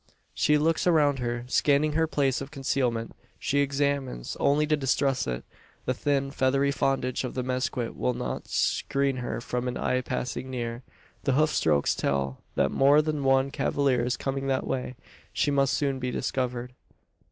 She looks around her, scanning her place of concealment. She examines, only to distrust it. The thin, feathery frondage of the mezquit will not screen her from an eye passing near. The hoof strokes tell, that more than one cavalier is coming that way. She must soon be discovered.